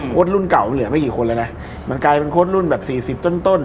รุ่นเก่ามันเหลือไม่กี่คนแล้วนะมันกลายเป็นโค้ดรุ่นแบบสี่สิบต้นต้น